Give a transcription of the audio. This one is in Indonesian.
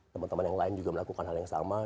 teman teman yang lain juga melakukan hal yang sama